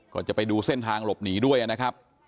จะไปดูเส้นทางหลบหนีด้วยนะครับ